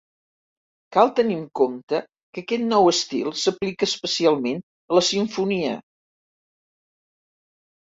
Cal tenir en compte que aquest nou estil s'aplica especialment a la simfonia.